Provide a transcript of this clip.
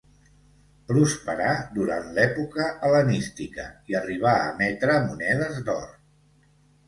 Prosperà durant l'època hel·lenística, i arribà a emetre monedes d'or.